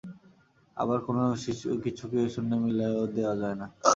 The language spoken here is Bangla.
আবার কোন কিছুকে শূন্যে মিলাইয়াও দেওয়া যায় না।